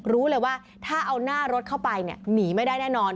รู้เลยว่าถ้าเอาหน้ารถเข้าไปเนี่ยหนีไม่ได้แน่นอน